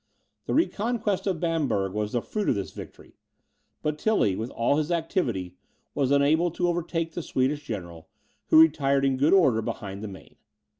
The reconquest of Bamberg was the fruit of this victory; but Tilly, with all his activity, was unable to overtake the Swedish general, who retired in good order behind the Maine.